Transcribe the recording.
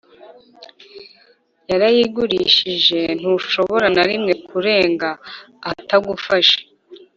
Yarayigurishije ntushobora na rimwe kurenga aha atagufashe